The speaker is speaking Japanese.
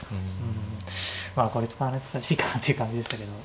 まあこれ使わないと寂しいかなという感じでしたけど。